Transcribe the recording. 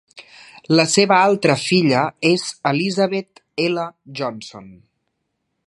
La seva altra filla és Elizabeth L. Johnson.